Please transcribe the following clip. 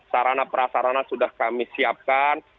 sarana prasarana sudah kami siapkan